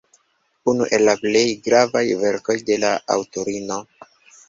Unu el la plej gravaj verkoj de la aŭtorino.